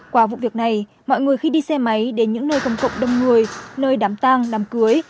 qua vụ việc này mọi người khi đi xe máy đến những nơi công cộng đông người nơi đám tang đám cưới